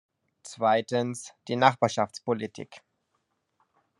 Zweitens, die Nachbarschaftspolitik.